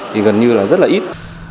thì gần như là rất là ít